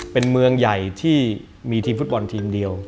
เป็นเมืองใหญ่ที่มีทีมฟุตบอลทีมเดียว